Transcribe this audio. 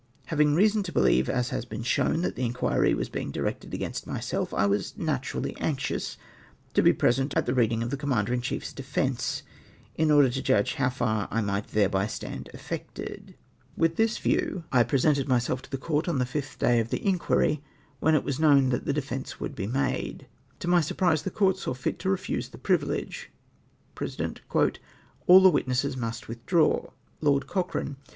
Having reason to believe, as has been shown, that the inquhy was being dkected against myself, I was naturally anxious to be present at the reading of the Commander in chief's defence, in order to judge how far I might thereby stand affected. With this view I presented G 3 86 1 AM NOT PERMITTED TO HEAR THE DEFENCE. myself at the Comt on tlie fifth day of the inquuy, when it was known that the defence would be made. To my smprise the Coiut saw fit to refuse the privilege. Peesident. —" All the witnesses must withdraw." LoED CociiEANE.